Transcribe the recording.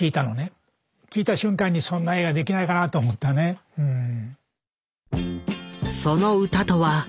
聞いた瞬間にそんな映画できないかなと思ったねうん。